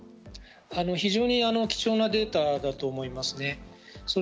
非常に貴重なデータだと思います。